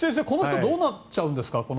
この人どうなっちゃうんですか？